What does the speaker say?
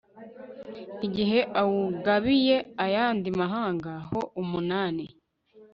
igihe awugabiye ayandi mahanga ho umunani